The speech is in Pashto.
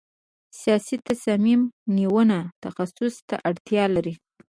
سیاسي تصمیم نیونه تخصص ته اړتیا لري